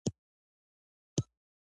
زه پر تا باندي باور نه لرم .